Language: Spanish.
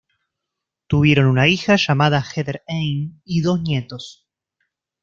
Tuvieron una hija llamada Heather Anne, y dos nietos.